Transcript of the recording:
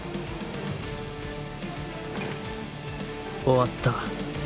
終わった